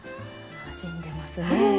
なじんでますね。